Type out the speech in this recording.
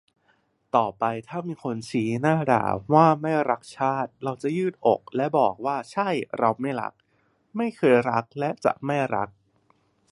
ต่อไปถ้ามีคนชี้หน้าด่าว่าไม่รักชาติเราจะยืดอกและบอกว่าใช่เราไม่รัก ไม่เคยรักและจะไม่รัก